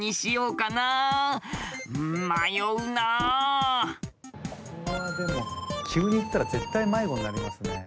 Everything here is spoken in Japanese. ここはでも急に行ったら絶対迷子になりますね。